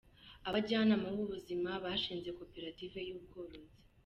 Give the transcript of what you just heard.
Abajyanama b’ubuzima bashinze Koperative y’Ubworozi